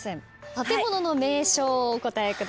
建物の名称をお答えください。